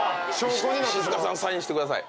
「石塚さんサインしてください」